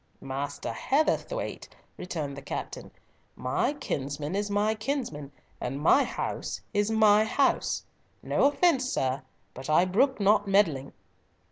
"Master Heatherthwayte," returned the captain, "my kinsman is my kinsman, and my house is my house. No offence, sir, but I brook not meddling."